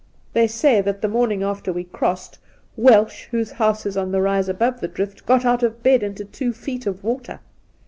They say that the morning after we crossed, Welsh, whose house is on the rise above the drift, got out of bed into two feet of water.